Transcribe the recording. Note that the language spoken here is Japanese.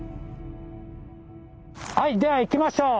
はいではいきましょう！